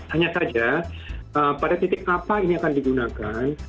hanya saja pada titik apa ini akan digunakan